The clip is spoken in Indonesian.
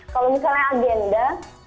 kalau misalnya agenda